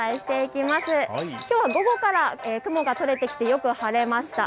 きょうは午後から雲が取れてきて、よく晴れました。